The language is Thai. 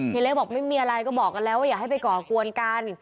เล็กบอกไม่มีอะไรก็บอกกันแล้วว่าอย่าให้ไปก่อกวนกัน